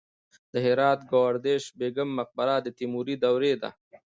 د هرات ګوهردش بیګم مقبره د تیموري دورې ده